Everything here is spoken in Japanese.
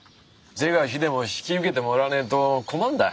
是が非でも引き受けてもらわねえと困るんだ。